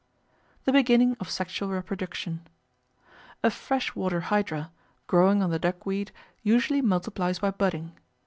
The Beginning of Sexual Reproduction A freshwater Hydra, growing on the duckweed usually multiplies by budding.